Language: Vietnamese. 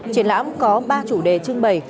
triển lãm có ba chủ đề trưng bày